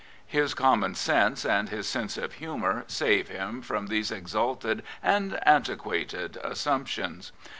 His common sense and his gift of humour save him from these exalted and antiquated assump tions.